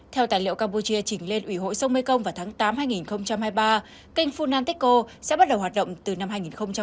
theo tài liệu campuchia chỉnh lên ủy hội sông mekong vào tháng tám hai nghìn hai mươi ba kênh funan techco sẽ bắt đầu hoạt động từ năm hai nghìn hai mươi một